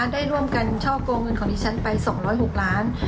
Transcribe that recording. ได้ร่วมกันช่อกงเงินของดิฉันไป๒๐๖ล้าน